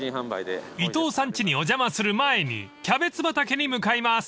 ［伊藤さんちにお邪魔する前にキャベツ畑に向かいます］